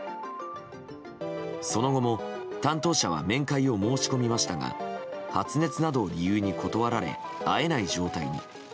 その後も、担当者は面会を申し込みましたが発熱などを理由に断られ会えない状態に。